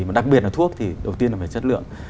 mà đặc biệt là thuốc thì đầu tiên là về chất lượng